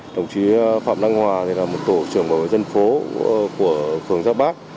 đồng chí phạm đăng hòa là một tổ trưởng bảo vệ dân phố của phường giáp bác